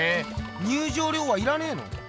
入場料はいらねえの？